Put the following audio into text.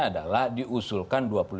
adalah diusulkan dua puluh lima